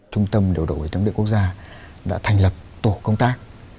trung tâm điều đổi thống địa quốc gia đã thành lập tổ công tác